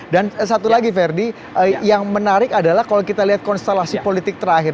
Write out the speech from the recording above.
dan satu lagi verdi yang menarik adalah kalau kita lihat konstelasi politik terakhir